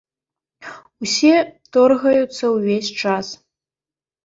Усе торгаюцца ўвесь час.